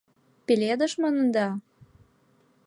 — Пеледыш маныда?